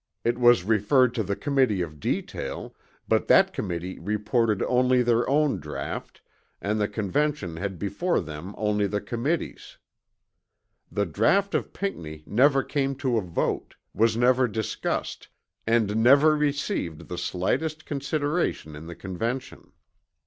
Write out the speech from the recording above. It was referred to the Committee of Detail; but that Committee reported only their own draught and the Convention had before them only the Committee's. The draught of Pinckney never came to a vote, was never discussed, and never received the slightest consideration in the Convention.